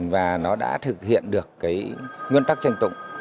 và nó đã thực hiện được cái nguyên tắc tranh tụng